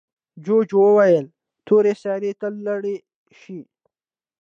جوجو وویل تورې سیارې ته لاړ شه.